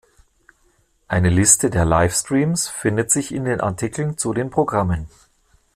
Eine Liste der Live-Streams findet sich in den Artikeln zu den Programmen.